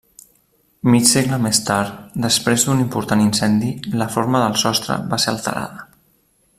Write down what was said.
Mig segle més tard, després d'un important incendi, la forma del sostre va ser alterada.